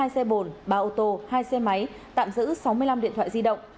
hai xe bồn ba ô tô hai xe máy tạm giữ sáu mươi năm điện thoại di động